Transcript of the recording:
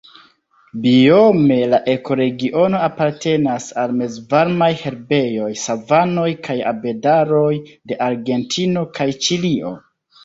Biome la ekoregiono apartenas al mezvarmaj herbejoj, savanoj kaj arbedaroj de Argentino kaj Ĉilio.